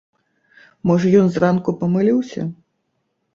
Можа, ён зранку памыліўся?